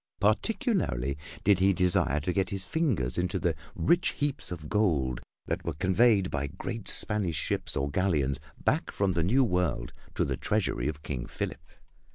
Particularly did he desire to get his fingers into the rich heaps of gold that were conveyed by great Spanish ships or galleons back from the New World to the treasury of King Philip.